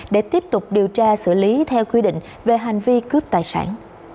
để tiếp tục điều tra xử lý theo quy định về hành vi cướp tài sản